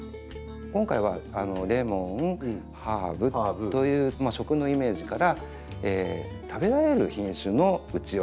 今回はレモンハーブという食のイメージから食べられる品種のウチワサボテン。